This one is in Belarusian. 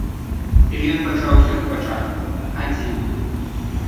І ён пачаў усё спачатку, адзін.